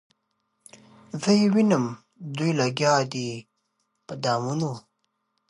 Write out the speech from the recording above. زه یې وینم دوی لګیا دي په دامونو